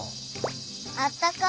あったかい。